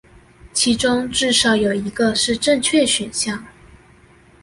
其中至少有一個是正確選項